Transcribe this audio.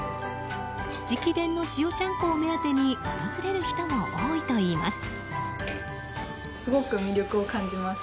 直伝の塩ちゃんこを目当てに訪れる人も多いといいます。